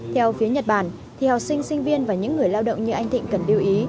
theo phía nhật bản thì học sinh sinh viên và những người lao động như anh thịnh cần lưu ý